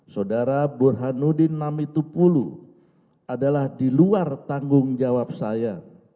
saudara burhanuddin namitupulu adalah di luar tanggung jawab saya